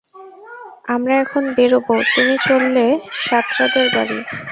আমরা এখন বেরোব, তুমি চললে সাতরাদের বাড়ি।